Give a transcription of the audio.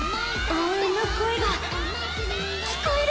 応援の声が聞こえる！